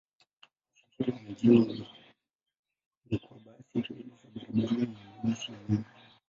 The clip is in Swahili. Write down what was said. Usafiri wa mjini ni kwa mabasi, reli za barabarani na mabasi ya umeme.